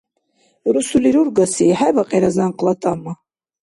Русули рургаси, хӀебакьира зянкъла тӀама.